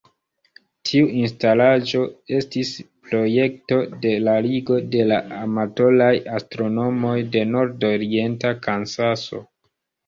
Tiu instalaĵo estis projekto de la Ligo de la Amatoraj Astronomoj de Nord-Orienta Kansaso.